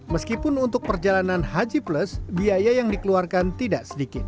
meskipun untuk perjalanan haji plus biaya yang dikeluarkan tidak sedikit